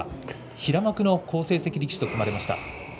平幕の好成績力士と組まれましたね。